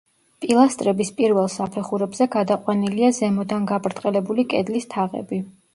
პილასტრების პირველ საფეხურებზე გადაყვანილია ზემოდან გაბრტყელებული კედლის თაღები.